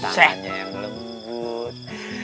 tuh tangannya yang lembut